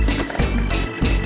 terima kasih bang